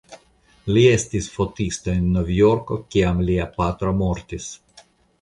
Li estis fotisto en Novjorko kiam lia patro mortis.